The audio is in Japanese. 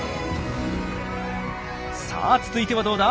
さあ続いてはどうだ？